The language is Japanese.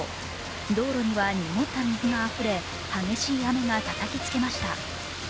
道路には濁った水があふれ激しい雨がたたきつけました。